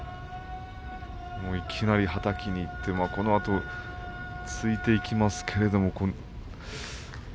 いきなりはたきにいってそのあと突いていきますけれども。